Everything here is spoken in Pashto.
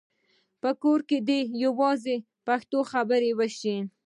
په کور کې دې یوازې پښتو خبرې وشي.